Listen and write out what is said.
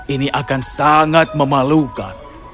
ini akan sangat memalukan